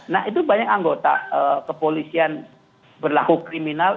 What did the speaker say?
nah itu banyak anggota kepolisian berlaku kriminal